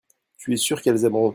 tu es sûr qu'elles aimeront.